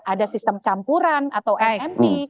ada sistem campuran atau imt